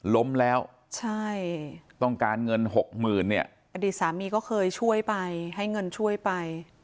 ล้มแล้วใช่ต้องการเงินหกหมื่นเนี่ยอดีตสามีก็เคยช่วยไปให้เงินช่วยไป